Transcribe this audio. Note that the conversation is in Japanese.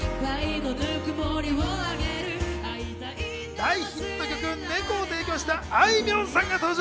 大ヒット曲『猫』を提供したあいみょんさんが登場。